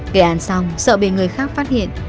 kể án xong sợ bị người khác phát hiện